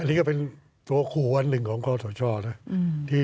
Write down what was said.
อันนี้ก็เป็นตัวกวนหนึ่งของของพระเถรบาตราชอ้า